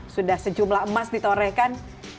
sudah sejumlah emas ditorekan